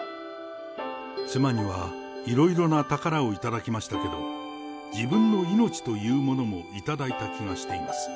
妻にはいろいろな宝を頂きましたけど、自分の命というものも頂いた気がしています。